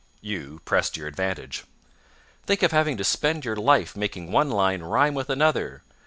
You pressed your advantage. "Think of having to spend your life making one line rhyme with another!